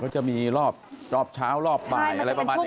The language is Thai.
เขาจะมีรอบเช้ารอบบ่ายอะไรประมาณนี้